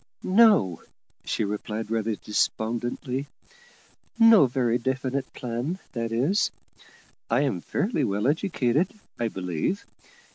"No," she replied rather despondently: "no very definite plan, that is. I am fairly well educated, I believe.